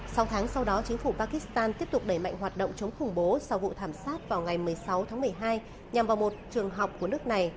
sau tháng sau đó chính phủ pakistan tiếp tục đẩy mạnh hoạt động chống khủng bố sau vụ thảm sát vào ngày một mươi sáu tháng một mươi hai nhằm vào một trường học của nước này